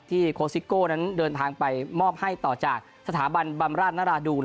โคสิโก้นั้นเดินทางไปมอบให้ต่อจากสถาบันบำราชนราดูน